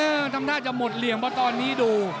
ทำท่าจะหมดเหลี่ยมเพราะตอนนี้ดู